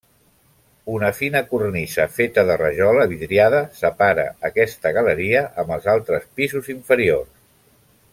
Una fina cornisa feta de rajola vidriada separa aquesta galeria amb els altres pisos inferiors.